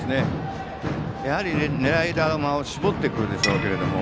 やはり狙い球を絞ってくるでしょうけど。